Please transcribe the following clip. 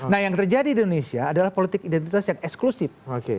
nah yang terjadi di indonesia adalah politik identitas yang eksklusif